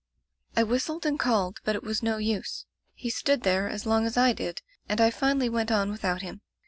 ''I whistled and called, but it was no use. He stood there as long as I did, and I fin ally went on without him.